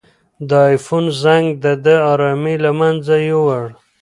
د آیفون زنګ د ده ارامي له منځه یووړه.